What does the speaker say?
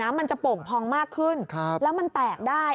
มันจะโป่งพองมากขึ้นแล้วมันแตกได้